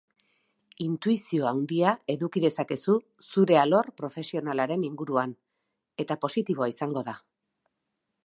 Intuizio handia eduki dezakezu zure alor profesionalaren inguruan, eta positiboa izango da.